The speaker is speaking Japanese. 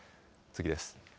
次です。